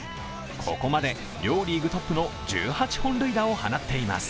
ここまで両リーグトップの１８本塁打を放っています。